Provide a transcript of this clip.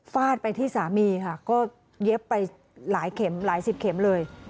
ฟาดไปที่สามีค่ะก็เย็บไปหลายเข็มหลายสิบเข็มเลย